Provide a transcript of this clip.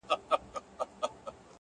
قناعت د شتمن زړه نښه ده.!